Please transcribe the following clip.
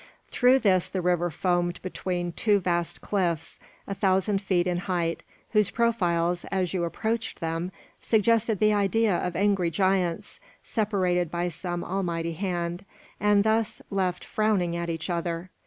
Through this the river foamed between two vast cliffs, a thousand feet in height, whose profiles, as you approached them, suggested the idea of angry giants, separated by some almighty hand, and thus left frowning at each other.